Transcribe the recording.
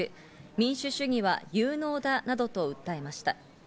民主主義は有能だなどと訴えました。